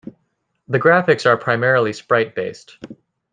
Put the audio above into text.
The graphics are primarily sprite-based.